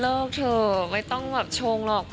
เลิกเถอะไม่ต้องชงหรอก